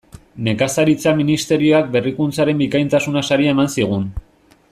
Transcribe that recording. Nekazaritza Ministerioak Berrikuntzaren bikaintasuna saria eman zigun.